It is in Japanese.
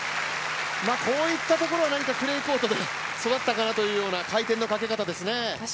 こういったところ、何かクレーコートで育ったかなというような回転のかけ方ですね。